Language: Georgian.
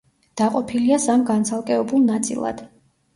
დაყოფილია სამ განცალკევებულ ნაწილად.